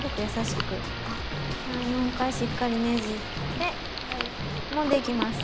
３４回しっかりねじってもんでいきます。